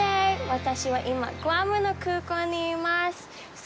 私は今、グアムの空港にいます。